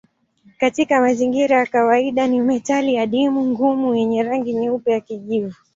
Katika mazingira ya kawaida ni metali adimu ngumu yenye rangi nyeupe ya kijivu.